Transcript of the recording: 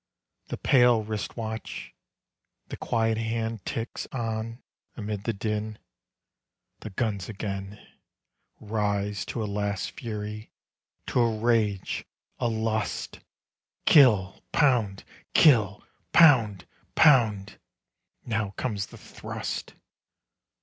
The pale wrist watch.... The quiet hand ticks on amid the din. The guns again Rise to a last fury, to a rage, a lust: Kill! Pound! Kill! Pound! Pound! Now comes the thrust!